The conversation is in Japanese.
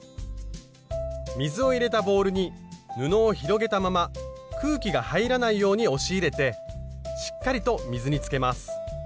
水を入れたボウルに布を広げたまま空気が入らないように押し入れてしっかりと水につけます。